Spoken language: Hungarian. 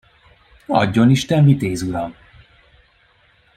Adjon isten, vitéz uram!